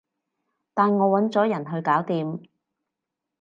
但我搵咗人去搞掂